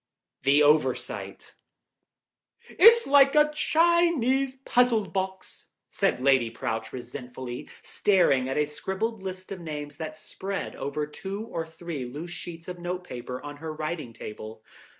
THE OVERSIGHT "It's like a Chinese puzzle," said Lady Prowche resentfully, staring at a scribbled list of names that spread over two or three loose sheets of notepaper on her writing table.